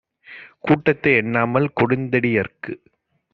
கூட்டத்தை எண்ணாமல், கொடுந்தடி யர்க்கு